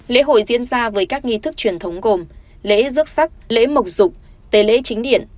lễ hội diễn ra với các nghi thức truyền thống gồm lễ rước sắc lễ mộc rục tế lễ chính điện